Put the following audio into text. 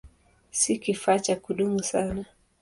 Si kifaa cha kudumu sana.